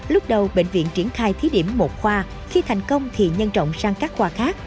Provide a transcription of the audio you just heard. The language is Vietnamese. lúc đầu bệnh viện triển khai thí điểm một khoa khi thành công thì nhân trọng sang các khoa khác